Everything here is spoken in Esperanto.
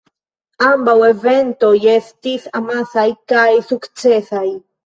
Ambaŭ eventoj estis amasaj kaj sukcesaj.